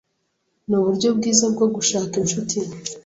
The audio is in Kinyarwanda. Nuburyo bwiza bwo gushaka inshuti.